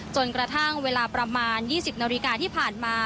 จนกระทั่งเวลาประมาณ๒๐นาฬิกาที่ผ่านมา